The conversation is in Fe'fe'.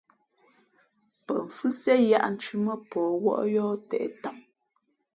Pαfhʉ́siē yǎʼnthʉ̄ mά pαh wᾱʼ yǒh těʼ tam.